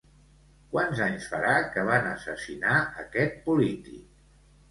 Quants anys farà que van assassinar aquest polític?